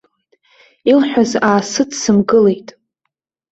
Илҳәаз аасыдсымкылеит.